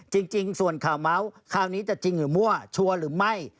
จริงส่วนข่าวเมาส์คราวนี้จะจริงหรือมั่วชัวร์หรือไม่